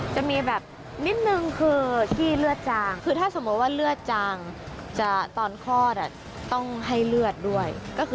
จะมีแบบนิดนึงคือที่เลือดจางคือถ้าสมมุติว่าเลือดจางตอนคลอดต้องให้เลือดด้วย